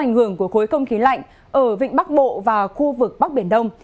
ảnh hưởng của khối không khí lạnh ở vịnh bắc bộ và khu vực bắc biển đông